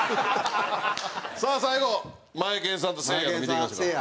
さあ最後マエケンさんとせいやの見ていきましょうか。